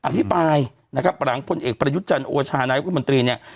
อธิบายนะครับหลังพลเอกประยุทธ์จันทร์โอชานายรัฐมนตรีเนี่ย